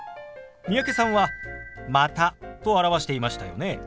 三宅さんは「また」と表していましたよね。